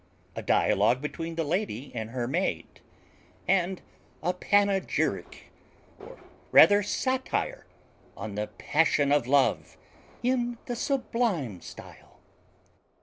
A dialogue between the lady and her maid; and a panegyric, or rather satire, on the passion of love, in the sublime style.